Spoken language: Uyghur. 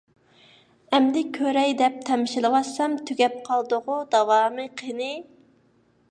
ئەمدى كۆرەي دەپ تەمشىلىۋاتسام، تۈگەپ قالدىغۇ. داۋامى قېنى؟